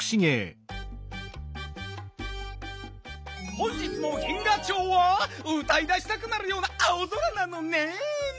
本日も銀河町はうたいだしたくなるような青空なのねん。